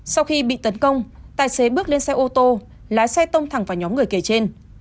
sau khi bị tấn công tài xế bước lên xe ô tô lái xe tông thẳng vào nhóm người kể trên